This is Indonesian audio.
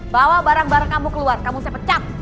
bawa barang barang kamu keluar kamu saya pecat